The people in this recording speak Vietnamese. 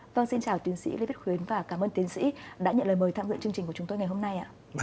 vâng xin chào tiến sĩ lê viết khuyến và cảm ơn tiến sĩ đã nhận lời mời tham dự chương trình của chúng tôi ngày hôm nay